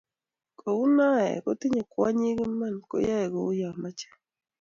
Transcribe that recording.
kou noee, ko tinyei kwonyik iman koyai kou yemochei